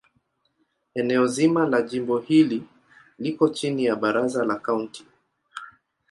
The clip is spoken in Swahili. Eneo zima la jimbo hili liko chini ya Baraza la Kaunti.